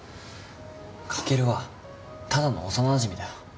カケルはただの幼なじみだよ